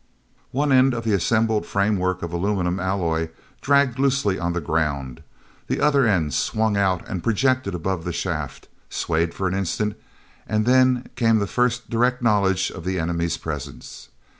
One end of the assembled framework of aluminum alloy dragged loosely on the ground; the other end swung out and projected above the shaft, swayed for an instant—and then came the first direct knowledge of the enemy's presence.